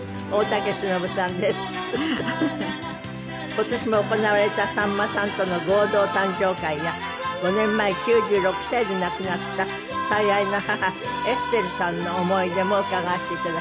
今年も行われたさんまさんとの合同誕生会や５年前９６歳で亡くなった最愛の母江すてるさんの思い出も伺わせて頂きます。